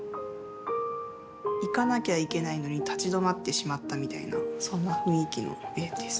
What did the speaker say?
行かなきゃいけないのに立ち止まってしまったみたいなそんな雰囲気の絵です。